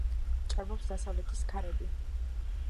ჭარბობს დასავლეთის ქარები.